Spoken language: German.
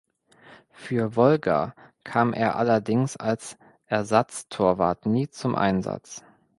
Für Wolga kam er allerdings als Ersatztorwart nie zum Einsatz.